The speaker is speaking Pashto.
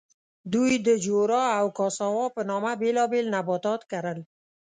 دوی د جورا او کاساوا په نامه بېلابېل نباتات کرل.